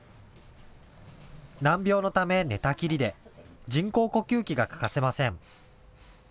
難病のため寝たきりで人工呼吸器が欠かせません。